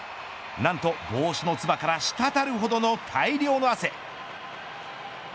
なんと帽子のつばからしたたるほどの大量の汗。